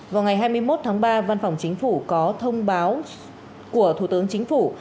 vào ngày hai mươi một tháng ba văn phòng chính phủ có thông báo của thủ tướng chính phủ